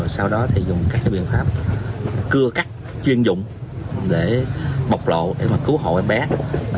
sau đó thì dùng các biện pháp cưa cắt chuyên dụng để bọc lộ để cứu hộ em bé